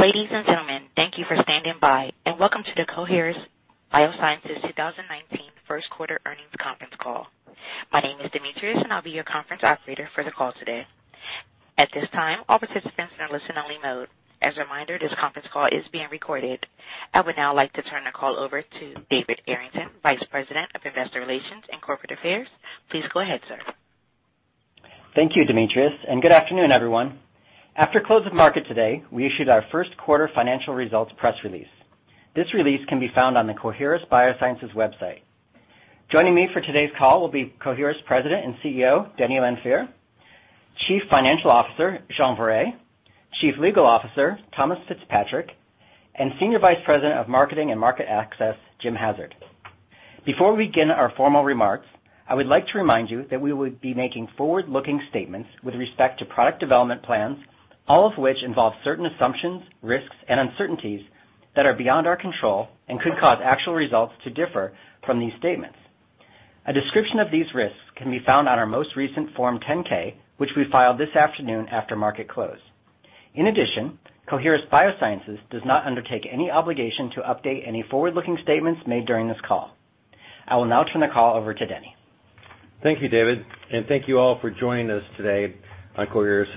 Ladies and gentlemen, thank you for standing by. Welcome to the Coherus BioSciences 2019 first quarter earnings conference call. My name is Demetrius, I'll be your conference operator for the call today. At this time, all participants are in listen-only mode. As a reminder, this conference call is being recorded. I would now like to turn the call over to David Arrington, Vice President of Investor Relations and Corporate Affairs. Please go ahead, sir. Thank you, Demetrius. Good afternoon, everyone. After close of market today, we issued our first quarter financial results press release. This release can be found on the Coherus BioSciences website. Joining me for today's call will be Coherus President and CEO, Denn Lanfear, Chief Financial Officer, Jean Viret, Chief Legal Officer, Thomas Fitzpatrick, and Senior Vice President of Marketing and Market Access, Jim Hassard. Before we begin our formal remarks, I would like to remind you that we will be making forward-looking statements with respect to product development plans, all of which involve certain assumptions, risks, and uncertainties that are beyond our control and could cause actual results to differ from these statements. A description of these risks can be found on our most recent Form 10-K, which we filed this afternoon after market close. Coherus BioSciences does not undertake any obligation to update any forward-looking statements made during this call. I will now turn the call over to Denny. Thank you, David. Thank you all for joining us today on Coherus'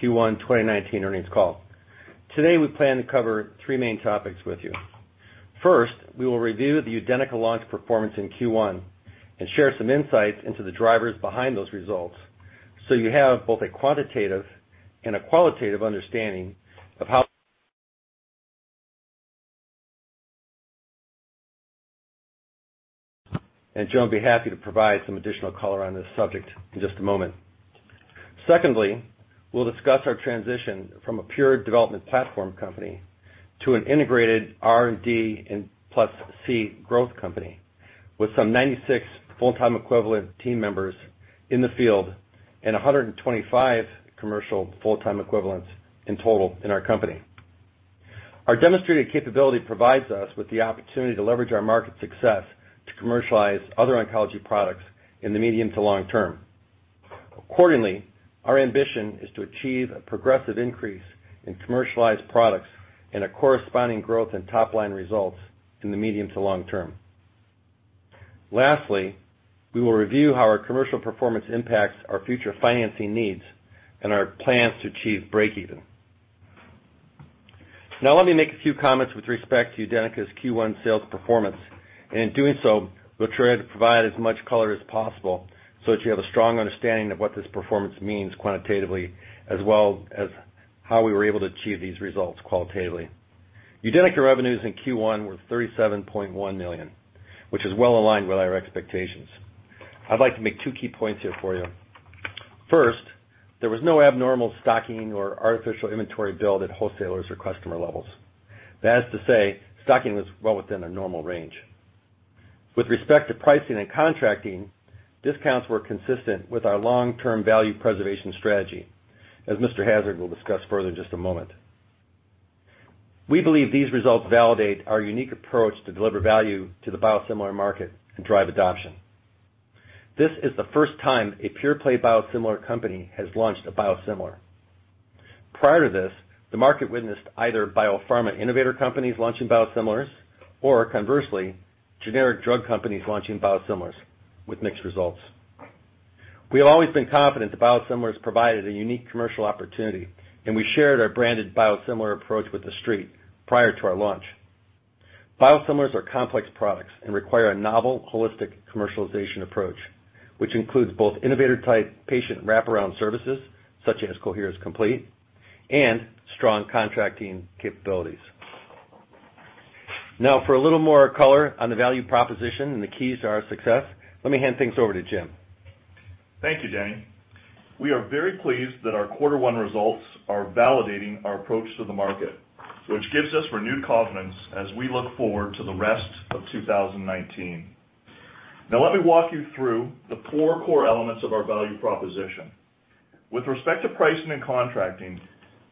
Q1 2019 earnings call. Today, we plan to cover three main topics with you. First, we will review the UDENYCA launch performance in Q1 and share some insights into the drivers behind those results, so you have both a quantitative and a qualitative understanding of how Jean will be happy to provide some additional color on this subject in just a moment. We'll discuss our transition from a pure development platform company to an integrated R&D and plus C growth company, with some 96 full-time equivalent team members in the field and 125 commercial full-time equivalents in total in our company. Our demonstrated capability provides us with the opportunity to leverage our market success to commercialize other oncology products in the medium to long term. Our ambition is to achieve a progressive increase in commercialized products and a corresponding growth in top-line results in the medium to long term. We will review how our commercial performance impacts our future financing needs and our plans to achieve break-even. Let me make a few comments with respect to UDENYCA's Q1 sales performance, and in doing so, we'll try to provide as much color as possible so that you have a strong understanding of what this performance means quantitatively, as well as how we were able to achieve these results qualitatively. UDENYCA revenues in Q1 were $37.1 million, which is well aligned with our expectations. I'd like to make two key points here for you. First, there was no abnormal stocking or artificial inventory build at wholesalers or customer levels. That is to say, stocking was well within a normal range. With respect to pricing and contracting, discounts were consistent with our long-term value preservation strategy, as Mr. Hassard will discuss further in just a moment. We believe these results validate our unique approach to deliver value to the biosimilar market and drive adoption. This is the first time a pure-play biosimilar company has launched a biosimilar. Prior to this, the market witnessed either biopharma innovator companies launching biosimilars or conversely, generic drug companies launching biosimilars with mixed results. We have always been confident that biosimilars provided a unique commercial opportunity, and we shared our branded biosimilar approach with the Street prior to our launch. Biosimilars are complex products and require a novel, holistic commercialization approach, which includes both innovator-type patient wraparound services such as Coherus COMPLETE and strong contracting capabilities. For a little more color on the value proposition and the keys to our success, let me hand things over to Jim. Thank you, Denny. We are very pleased that our quarter one results are validating our approach to the market, which gives us renewed confidence as we look forward to the rest of 2019. Let me walk you through the four core elements of our value proposition. With respect to pricing and contracting,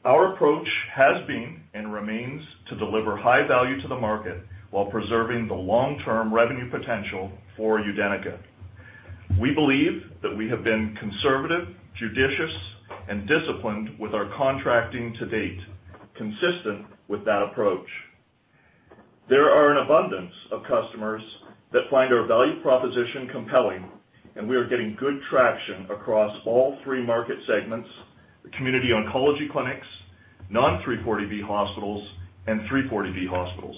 our approach has been and remains to deliver high value to the market while preserving the long-term revenue potential for UDENYCA. We believe that we have been conservative, judicious, and disciplined with our contracting to date, consistent with that approach. There are an abundance of customers that find our value proposition compelling, and we are getting good traction across all three market segments, the community oncology clinics, non-340B hospitals, and 340B hospitals.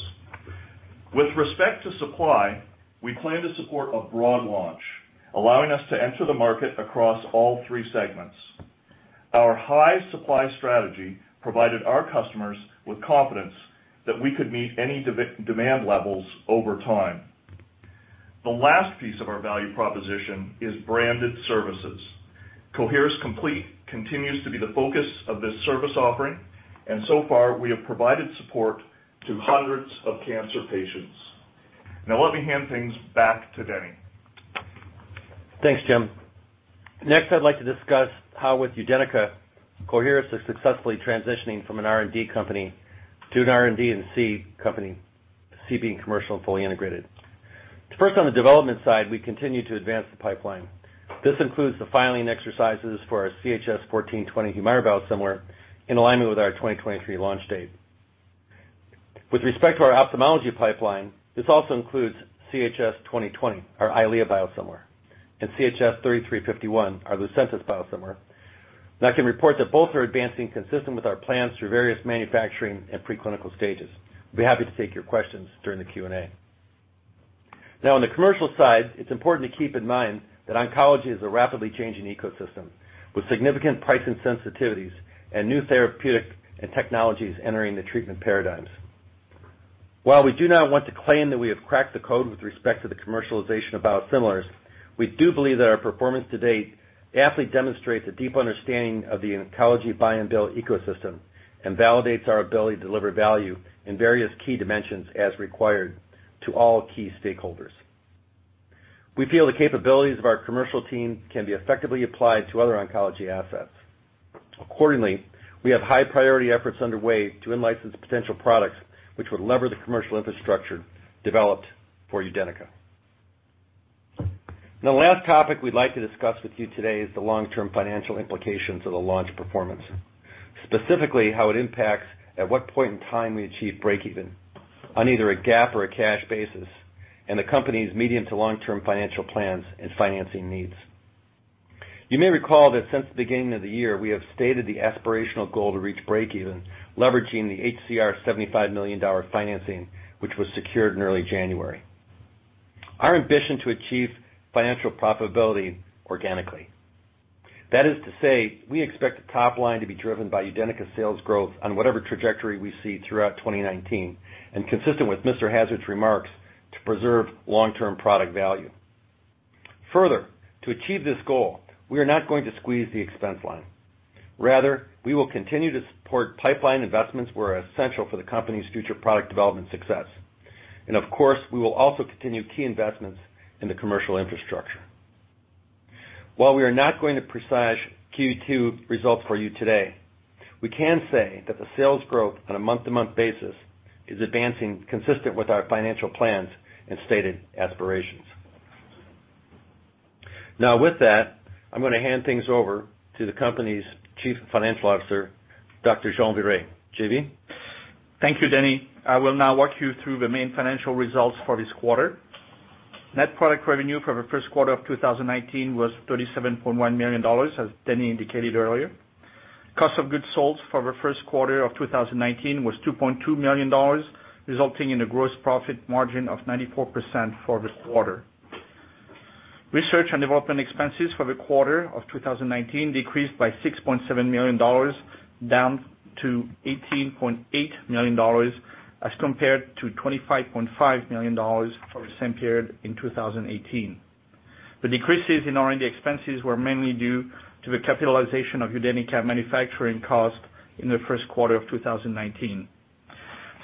With respect to supply, we plan to support a broad launch, allowing us to enter the market across all three segments. Our high supply strategy provided our customers with confidence that we could meet any demand levels over time. The last piece of our value proposition is branded services. Coherus COMPLETE continues to be the focus of this service offering. So far, we have provided support to hundreds of cancer patients. Let me hand things back to Denny. Thanks, Jim. Next, I'd like to discuss how with UDENYCA, Coherus is successfully transitioning from an R&D company to an R&D and C company, C being commercial and fully integrated. First, on the development side, we continue to advance the pipeline. This includes the filing exercises for our CHS-1420 HUMIRA biosimilar in alignment with our 2023 launch date. With respect to our ophthalmology pipeline, this also includes CHS-2020, our EYLEA biosimilar, and CHS-3351, our Lucentis biosimilar. I can report that both are advancing consistent with our plans through various manufacturing and pre-clinical stages. I'd be happy to take your questions during the Q&A. On the commercial side, it's important to keep in mind that oncology is a rapidly changing ecosystem, with significant price sensitivities and new therapeutics and technologies entering the treatment paradigms. While we do not want to claim that we have cracked the code with respect to the commercialization of biosimilars, we do believe that our performance to date aptly demonstrates a deep understanding of the oncology buy-and-bill ecosystem and validates our ability to deliver value in various key dimensions as required to all key stakeholders. We feel the capabilities of our commercial team can be effectively applied to other oncology assets. Accordingly, we have high-priority efforts underway to in-license potential products which would lever the commercial infrastructure developed for UDENYCA. The last topic we'd like to discuss with you today is the long-term financial implications of the launch performance. Specifically, how it impacts at what point in time we achieve breakeven on either a GAAP or a cash basis and the company's medium to long-term financial plans and financing needs. You may recall that since the beginning of the year, we have stated the aspirational goal to reach breakeven, leveraging the HCR $75 million financing, which was secured in early January. Our ambition to achieve financial profitability organically. That is to say, we expect the top line to be driven by UDENYCA sales growth on whatever trajectory we see throughout 2019 and consistent with Mr. Hassard's remarks to preserve long-term product value. To achieve this goal, we are not going to squeeze the expense line. Rather, we will continue to support pipeline investments where essential for the company's future product development success. Of course, we will also continue key investments in the commercial infrastructure. While we are not going to precise Q2 results for you today, we can say that the sales growth on a month-to-month basis is advancing consistent with our financial plans and stated aspirations. With that, I'm going to hand things over to the company's Chief Financial Officer, Dr. Jean Viret. JV? Thank you, Denny. I will now walk you through the main financial results for this quarter. Net Product Revenue for the first quarter of 2019 was $37.1 million, as Denny indicated earlier. Cost of Goods Sold for the first quarter of 2019 was $2.2 million, resulting in a gross profit margin of 94% for this quarter. Research and Development Expenses for the quarter of 2019 decreased by $6.7 million, down to $18.8 million as compared to $25.5 million for the same period in 2018. The decreases in R&D expenses were mainly due to the capitalization of UDENYCA manufacturing cost in the first quarter of 2019.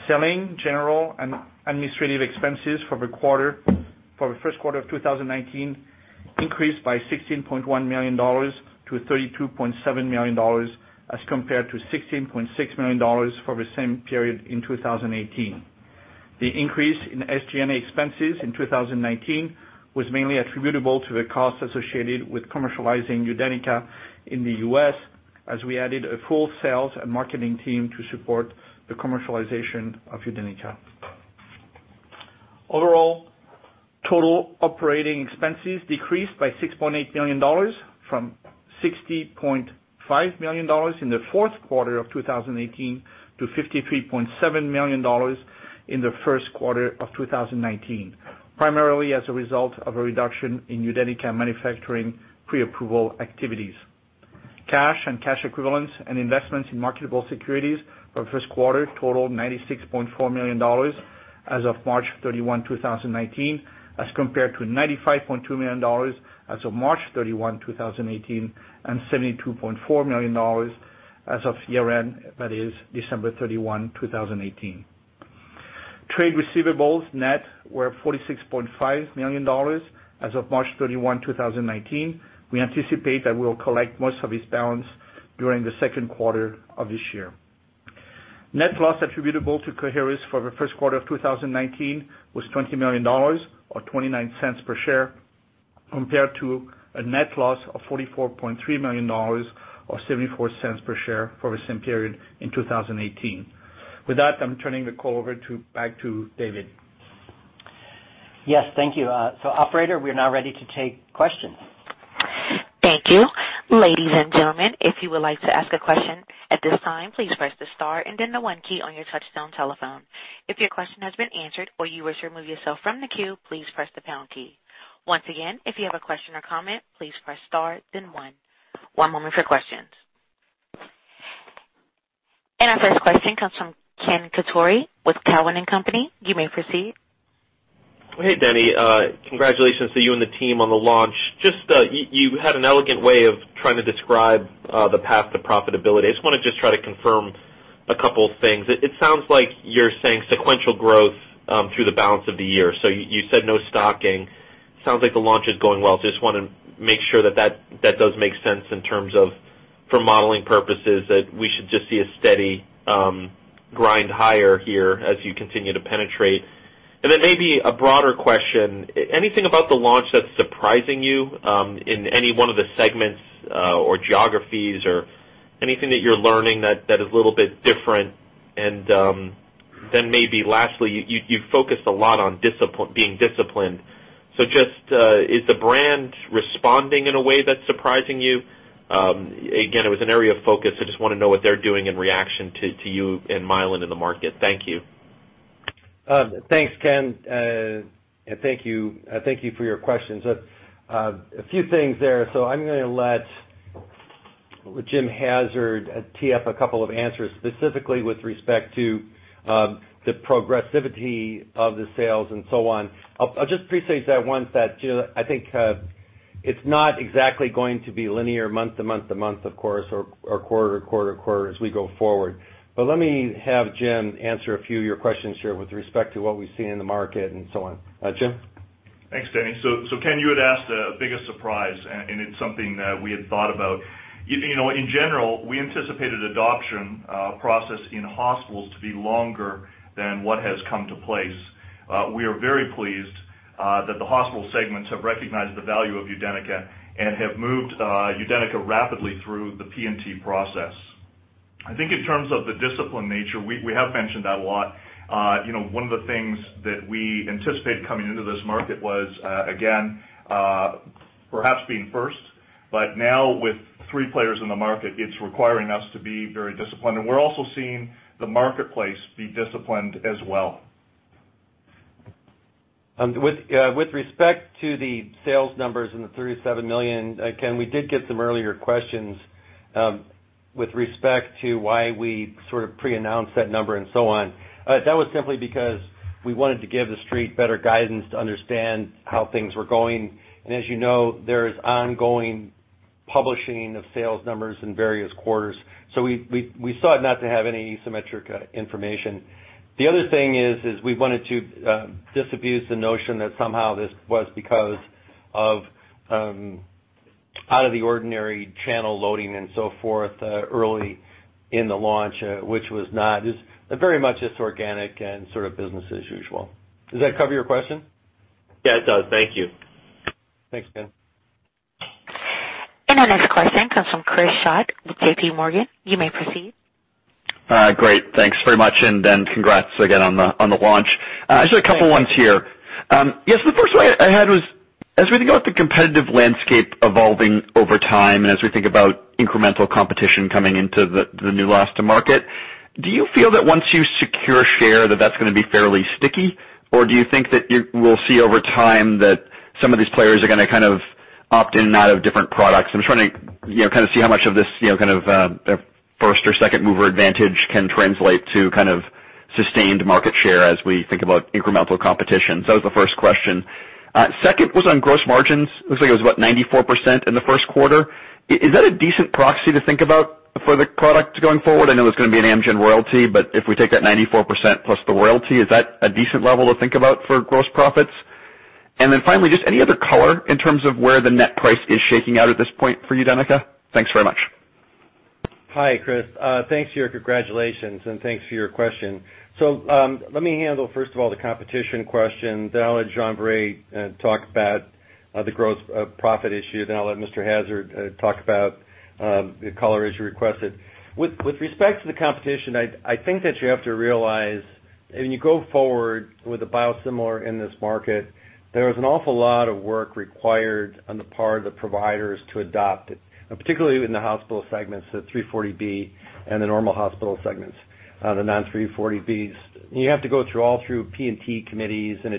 Selling, General, and Administrative Expenses for the first quarter of 2019 increased by $16.1 million to $32.7 million as compared to $16.6 million for the same period in 2018. The increase in SG&A expenses in 2019 was mainly attributable to the costs associated with commercializing UDENYCA in the U.S. as we added a full sales and marketing team to support the commercialization of UDENYCA. Overall, total operating expenses decreased by $6.8 million from $60.5 million in the fourth quarter of 2018 to $53.7 million in the first quarter of 2019, primarily as a result of a reduction in UDENYCA manufacturing pre-approval activities. Cash and Cash Equivalents and Investments in Marketable Securities for the first quarter totaled $96.4 million as of March 31, 2019 as compared to $95.2 million as of March 31, 2018 and $72.4 million as of year-end, that is December 31, 2018. Trade Receivables, Net were $46.5 million as of March 31, 2019. We anticipate that we'll collect most of these balance during the second quarter of this year. Net Loss Attributable to Coherus for the first quarter of 2019 was $20 million or $0.29 per share compared to a net loss of $44.3 million or $0.74 per share for the same period in 2018. With that, I'm turning the call over back to David. Yes, thank you. Operator, we are now ready to take questions. Thank you. Ladies and gentlemen, if you would like to ask a question at this time, please press the star and then the one key on your touchtone telephone. If your question has been answered or you wish to remove yourself from the queue, please press the pound key. Once again, if you have a question or comment, please press star then one. One moment for questions. Our first question comes from Ken Cacciatore with Cowen and Company. You may proceed. Hey, Denny. Congratulations to you and the team on the launch. You had an elegant way of trying to describe the path to profitability. I just want to try to confirm a couple of things. It sounds like you're saying sequential growth through the balance of the year. You said no stocking Sounds like the launch is going well. I just want to make sure that does make sense in terms of for modeling purposes, that we should just see a steady grind higher here as you continue to penetrate. Then maybe a broader question, anything about the launch that's surprising you in any one of the segments or geographies, or anything that you're learning that is a little bit different? Then maybe lastly, you focused a lot on being disciplined. Just, is the brand responding in a way that's surprising you? Again, it was an area of focus. I just want to know what they're doing in reaction to you and Mylan in the market. Thank you. Thanks, Ken. Thank you for your questions. A few things there. I'm going to let Jim Hassard tee up a couple of answers, specifically with respect to the progressivity of the sales and so on. I'll just pre-state that once that, I think it's not exactly going to be linear month to month to month, of course, or quarter to quarter to quarter as we go forward. Let me have Jim answer a few of your questions here with respect to what we see in the market and so on. Jim? Thanks, Denny. Ken, you had asked the biggest surprise, and it's something that we had thought about. In general, we anticipated adoption process in hospitals to be longer than what has come to place. We are very pleased that the hospital segments have recognized the value of UDENYCA and have moved UDENYCA rapidly through the P&T process. I think in terms of the discipline nature, we have mentioned that a lot. One of the things that we anticipated coming into this market was, again perhaps being first. Now with 3 players in the market, it's requiring us to be very disciplined. We're also seeing the marketplace be disciplined as well. With respect to the sales numbers and the $37 million, Ken, we did get some earlier questions with respect to why we sort of pre-announced that number and so on. That was simply because we wanted to give the street better guidance to understand how things were going. As you know, there is ongoing publishing of sales numbers in various quarters. We sought not to have any symmetric information. The other thing is, we wanted to disabuse the notion that somehow this was because of out of the ordinary channel loading and so forth early in the launch, which was not. It's very much just organic and sort of business as usual. Does that cover your question? Yeah, it does. Thank you. Thanks, Ken. Our next question comes from Chris Schott with J.P. Morgan. You may proceed. Great. Thanks very much. Congrats again on the launch. Just a couple ones here. The first one I had was, as we think about the competitive landscape evolving over time, as we think about incremental competition coming into the Neulasta market, do you feel that once you secure a share that that's going to be fairly sticky? Do you think that we'll see over time that some of these players are going to opt in and out of different products? I'm just trying to see how much of this first or second mover advantage can translate to sustained market share as we think about incremental competition. That was the first question. Second was on gross margins. Looks like it was about 94% in the first quarter. Is that a decent proxy to think about for the product going forward? I know there's going to be an Amgen royalty, if we take that 94% plus the royalty, is that a decent level to think about for gross profits? Finally, just any other color in terms of where the net price is shaking out at this point for UDENYCA? Thanks very much. Hi, Chris. Thanks for your congratulations, and thanks for your question. Let me handle, first of all, the competition question, then I'll let Jean-Frédéric Viret talk about the gross profit issue, then I'll let Mr. Hassard talk about the color as you requested. With respect to the competition, I think that you have to realize when you go forward with a biosimilar in this market, there is an awful lot of work required on the part of the providers to adopt it, particularly in the hospital segments, the 340B and the normal hospital segments, the non-340Bs. You have to go all through P&T committees. For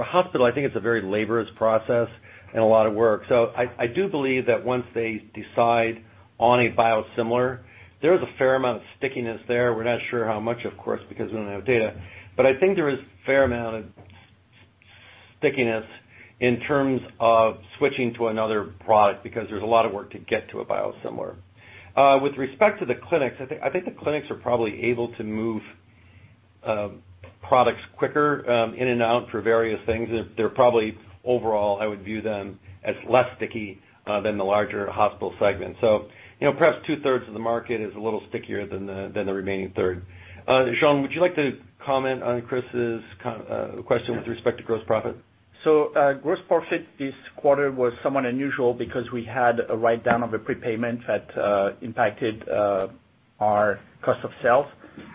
a hospital, I think it's a very laborious process and a lot of work. I do believe that once they decide on a biosimilar, there is a fair amount of stickiness there. We're not sure how much, of course, because we don't have data. I think there is a fair amount of stickiness in terms of switching to another product, because there's a lot of work to get to a biosimilar. With respect to the clinics, I think the clinics are probably able to move products quicker in and out for various things. They're probably overall, I would view them as less sticky than the larger hospital segment. Perhaps two-thirds of the market is a little stickier than the remaining third. Jean, would you like to comment on Chris' question with respect to gross profit? Gross profit this quarter was somewhat unusual because we had a write-down of a prepayment that impacted our cost of sales.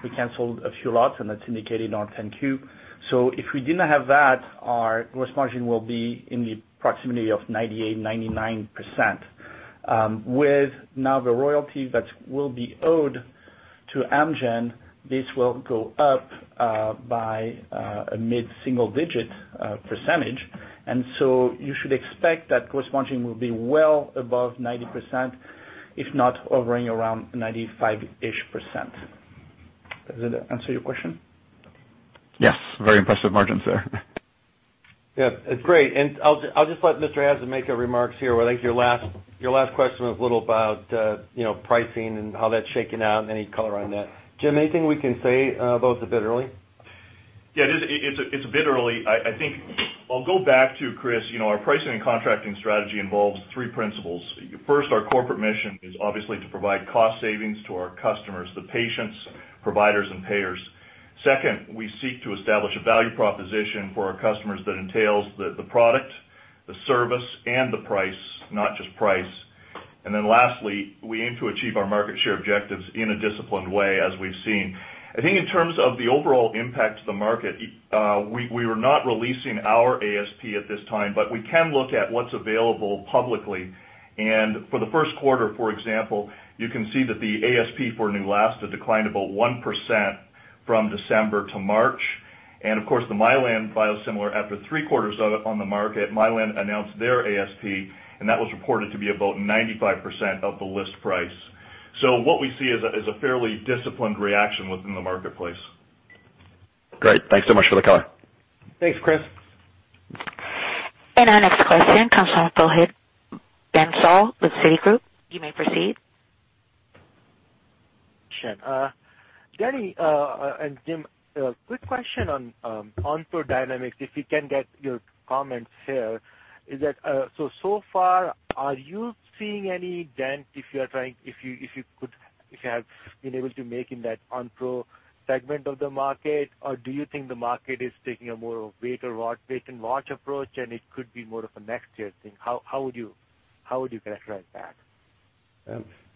We canceled a few lots. That's indicated in our 10-Q. If we did not have that, our gross margin will be in the proximity of 98%-99%. With now the royalty that will be owed to Amgen, this will go up by a mid-single digit percentage. You should expect that gross margin will be well above 90%, if not hovering around 95-ish%. Does that answer your question? Yes. Very impressive margins there. Yeah, it's great. I'll just let Mr. Viret make a remarks here. I think your last question was a little about pricing and how that's shaking out, and any color on that. James, anything we can say about it a bit early? Yeah, it's a bit early. I think I'll go back to Chris Schott. Our pricing and contracting strategy involves three principles. First, our corporate mission is obviously to provide cost savings to our customers, the patients, providers, and payers. Second, we seek to establish a value proposition for our customers that entails the product, the service, and the price, not just price. Lastly, we aim to achieve our market share objectives in a disciplined way, as we've seen. I think in terms of the overall impact to the market, we were not releasing our ASP at this time, but we can look at what's available publicly. For the first quarter, for example, you can see that the ASP for Neulasta declined about 1% from December to March. Of course, the Mylan biosimilar after three quarters on the market, Mylan announced their ASP, and that was reported to be about 95% of the list price. What we see is a fairly disciplined reaction within the marketplace. Great. Thanks so much for the color. Thanks, Chris. Our next question comes from Mohit Bansal with Citigroup. You may proceed. Sure. Denny and Jim, a quick question on Onpro dynamics, if you can get your comments here. So far, are you seeing any dent, if you have been able to make in that Onpro segment of the market? Or do you think the market is taking a more of wait and watch approach, and it could be more of a next year thing? How would you characterize that?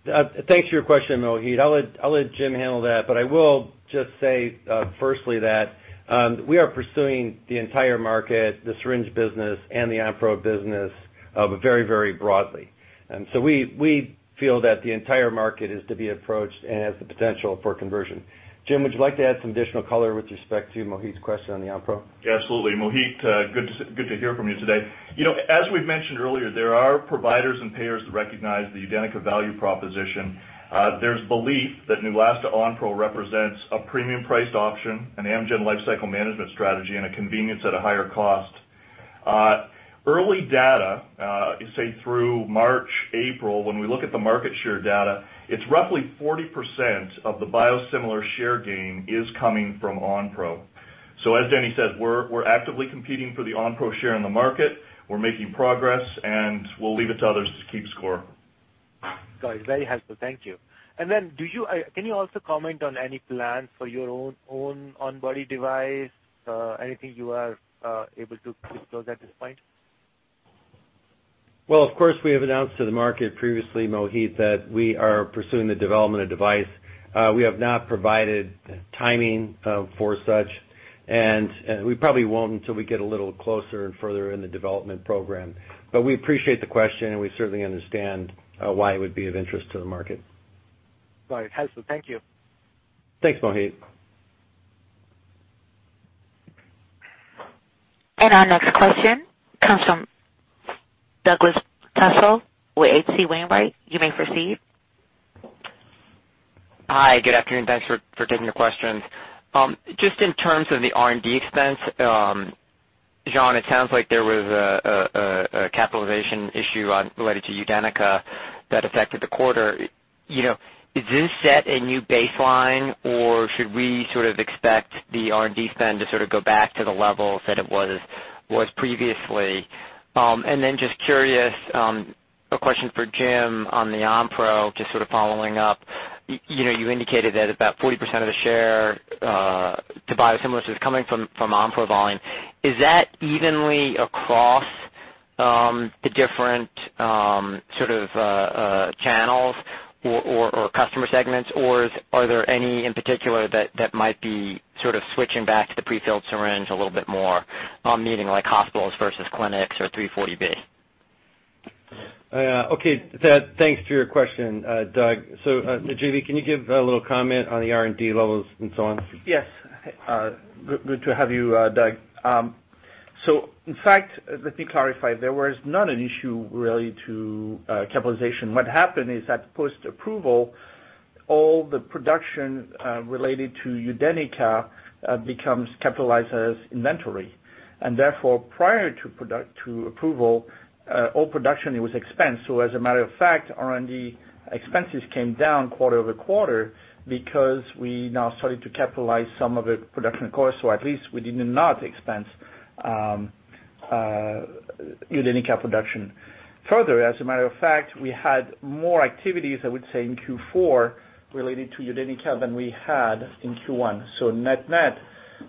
Thanks for your question, Mohit. I'll let Jim handle that, but I will just say, firstly, that we are pursuing the entire market, the syringe business, and the Onpro business very broadly. We feel that the entire market is to be approached and has the potential for conversion. Jim, would you like to add some additional color with respect to Mohit's question on the Onpro? Mohit, good to hear from you today. As we've mentioned earlier, there are providers and payers that recognize the UDENYCA value proposition. There's belief that Neulasta Onpro represents a premium priced option, an Amgen lifecycle management strategy, and a convenience at a higher cost. Early data, say through March, April, when we look at the market share data, it's roughly 40% of the biosimilar share gain is coming from Onpro. As Denny says, we're actively competing for the Onpro share in the market. We're making progress, and we'll leave it to others to keep score. Got it. Very helpful. Thank you. Can you also comment on any plans for your own on-body device? Anything you are able to disclose at this point? Well, of course, we have announced to the market previously, Mohit, that we are pursuing the development of device. We have not provided timing for such, and we probably won't until we get a little closer and further in the development program. We appreciate the question, and we certainly understand why it would be of interest to the market. Got it. Helpful. Thank you. Thanks, Mohit. Our next question comes from Douglas Tsao with H.C. Wainwright. You may proceed. Hi, good afternoon. Thanks for taking the questions. Just in terms of the R&D expense, Jean, it sounds like there was a capitalization issue related to UDENYCA that affected the quarter. Does this set a new baseline, or should we sort of expect the R&D spend to sort of go back to the levels that it was previously? Then just curious, a question for Jim on the Onpro, just sort of following up. You indicated that about 40% of the share to biosimilars is coming from Onpro volume. Is that evenly across the different channels or customer segments, or are there any in particular that might be sort of switching back to the prefilled syringe a little bit more, meaning like hospitals versus clinics or 340B? Okay. Thanks for your question, Doug. JV, can you give a little comment on the R&D levels and so on? Yes. Good to have you, Doug. In fact, let me clarify, there was not an issue really to capitalization. What happened is that post-approval, all the production related to UDENYCA becomes capitalized as inventory, therefore, prior to approval, all production was expensed. As a matter of fact, R&D expenses came down quarter-over-quarter because we now started to capitalize some of the production costs, or at least we did not expense UDENYCA production. As a matter of fact, we had more activities, I would say, in Q4 related to UDENYCA than we had in Q1. Net-net,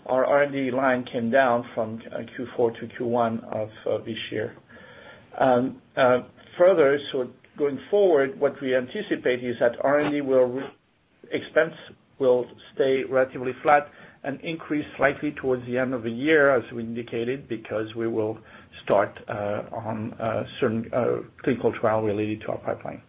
our R&D line came down from Q4 to Q1 of this year. Going forward, what we anticipate is that R&D expense will stay relatively flat and increase slightly towards the end of the year as we indicated, because we will start on certain clinical trial related to our pipeline.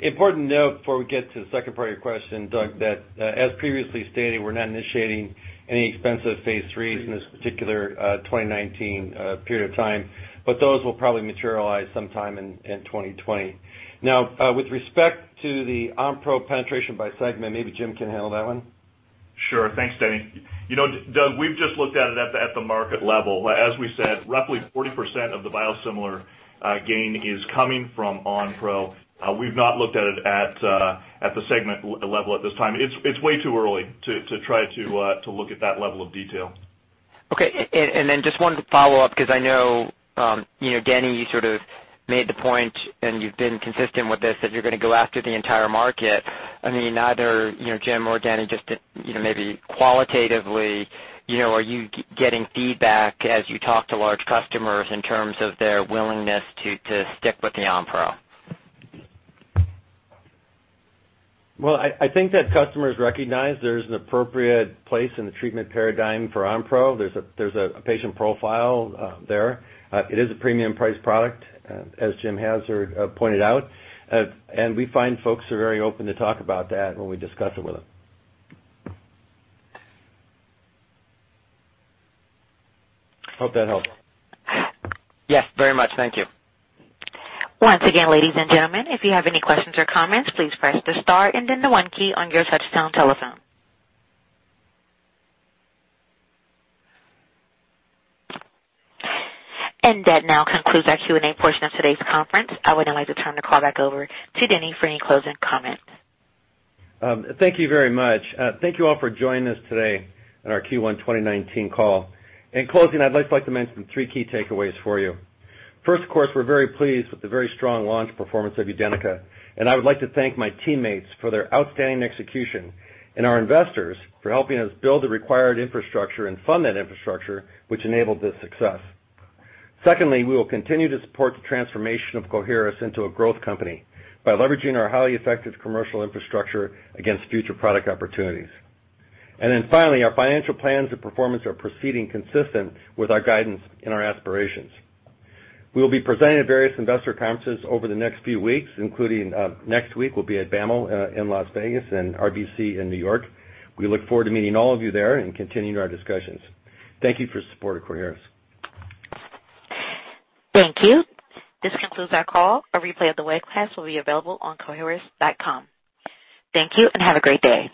Important note before we get to the second part of your question, Doug, that as previously stated, we're not initiating any expensive phase IIIs in this particular 2019 period of time, but those will probably materialize sometime in 2020. With respect to the Onpro penetration by segment, maybe Jim can handle that one. Sure. Thanks, Denny. Doug, we've just looked at it at the market level. We said, roughly 40% of the biosimilar gain is coming from Onpro. We've not looked at it at the segment level at this time. It's way too early to try to look at that level of detail. Just wanted to follow up, because I know, Denny, you sort of made the point, and you've been consistent with this, that you're going to go after the entire market. Either Jim or Denny, just maybe qualitatively, are you getting feedback as you talk to large customers in terms of their willingness to stick with the Onpro? I think that customers recognize there's an appropriate place in the treatment paradigm for Onpro. There's a patient profile there. It is a premium price product, as Jim has pointed out, and we find folks are very open to talk about that when we discuss it with them. Hope that helped. Yes, very much. Thank you. Once again, ladies and gentlemen, if you have any questions or comments, please press the star and then the one key on your touchtone telephone. That now concludes our Q&A portion of today's conference. I would now like to turn the call back over to Denny for any closing comments. Thank you very much. Thank you all for joining us today on our Q1 2019 call. In closing, I'd just like to mention three key takeaways for you. First, of course, we're very pleased with the very strong launch performance of UDENYCA, and I would like to thank my teammates for their outstanding execution and our investors for helping us build the required infrastructure and fund that infrastructure which enabled this success. Secondly, we will continue to support the transformation of Coherus into a growth company by leveraging our highly effective commercial infrastructure against future product opportunities. Finally, our financial plans and performance are proceeding consistent with our guidance and our aspirations. We will be presenting at various investor conferences over the next few weeks, including next week, we'll be at BAML in Las Vegas and RBC in New York. We look forward to meeting all of you there and continuing our discussions. Thank you for your support of Coherus. Thank you. This concludes our call. A replay of the webcast will be available on coherus.com. Thank you, and have a great day.